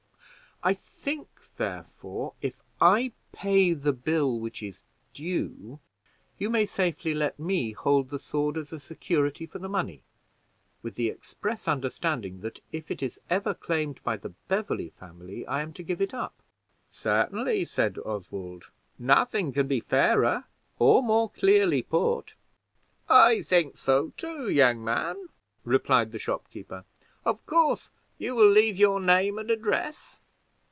I think, therefore, if I pay the bill which is due, you may safely let me hold the sword as a security for the money, with the express understanding that if it is ever claimed by the Beverley family I am to give it up." "Certainly," said Oswald; "nothing can be fairer or more clearly put." "I think so, too, young man," replied the shopkeeper. "Of course you will leave your name and address?"